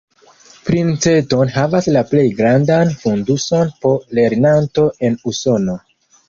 Princeton havas la plej grandan fonduson po lernanto en Usono.